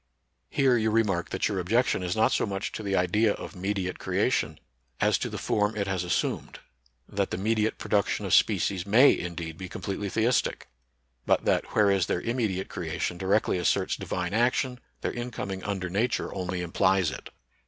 Here you remark that your objection is not so much to the idea of mediate creation as to the form it has assumed ; that the mediate pro duction of species ma?/ indeed be completely theistic. But that, whereas their immediate creation directly asserts Divine action, their in coming under Nature only implies it.